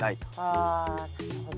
あなるほど。